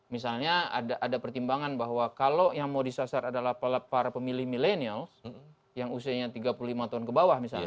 misalnya ada pertimbangan bahwa kalau yang mau disasar adalah para pemilih milenials yang usianya tiga puluh lima tahun ke bawah misalnya